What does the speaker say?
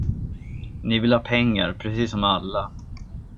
Ni vill ha pengar, precis som alla...